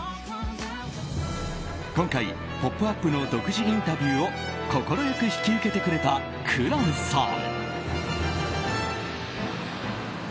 今回、「ポップＵＰ！」の独自インタビューを快く引き受けてくれた紅蘭さん。